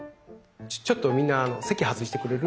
ちょっとみんな席外してくれる？」